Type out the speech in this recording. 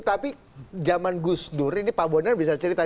tapi zaman gusdur ini pak bondar bisa cerita